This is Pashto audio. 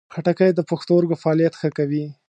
خټکی د پښتورګو فعالیت ښه کوي.